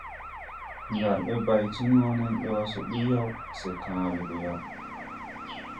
Ngar ɓɛ bay ti no nen ɓɛ wa so buy yaw, se kãã we gɔ yaw.